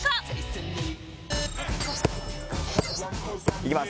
いきます。